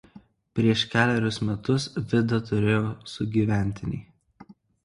Prieš kelerius metus Vida turėjo sugyventinį